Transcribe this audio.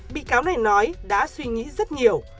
bị cáo này nói đã suy nghĩ rất nhiều